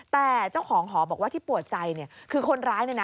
แต่เจ้าของหอบอกว่าที่ปวดใจคือคนร้ายเนี่ยนะ